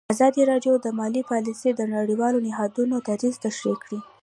ازادي راډیو د مالي پالیسي د نړیوالو نهادونو دریځ شریک کړی.